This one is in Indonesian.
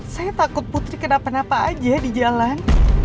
saya takut putri kenapa napa aja di jalan